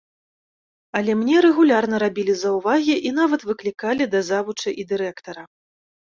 Але мне рэгулярна рабілі заўвагі і нават выклікалі да завуча і дырэктара.